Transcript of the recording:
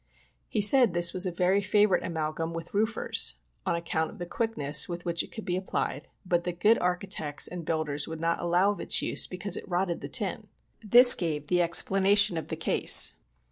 He said this was a very favorite amalgum with roofers, on account of the quickness with which it could be applied, but that good architects and builders would not allow of its use because it rotted the tin. This gave the explanation of the case.